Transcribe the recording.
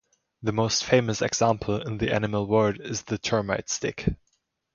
The most famous example in the animal world is the termite stick.